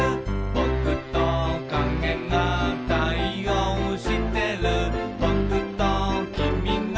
「ぼくときみがたいおうしてる」